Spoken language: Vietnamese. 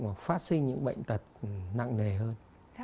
hoặc phát sinh những bệnh tật nặng nề hơn